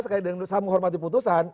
sekali dengan saya menghormati putusan